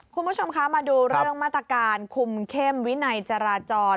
คุณผู้ชมคะมาดูเรื่องมาตรการคุมเข้มวินัยจราจร